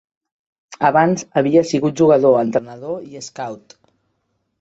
Abans havia sigut jugador, entrenador i scout.